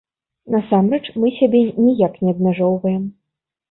Насамрэч, мы сябе ніяк не абмяжоўваем.